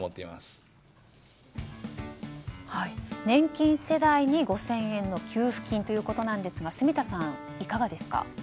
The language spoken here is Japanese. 年金世代に５０００円の給付金ということですが住田さん、いかがですか？